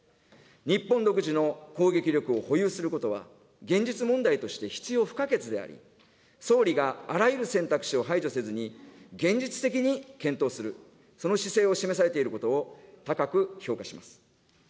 日本独自の攻撃力を保有することは、現実問題として必要不可欠であり、総理があらゆる選択肢を排除せずに、現実的に検討する、その姿勢を示されていることを、高く評価します。